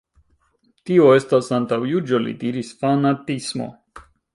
Tio estas antaŭjuĝo li diris, fanatismo.